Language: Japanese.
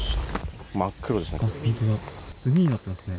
真っ黒ですね。